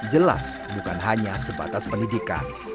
jelas bukan hanya sebatas pendidikan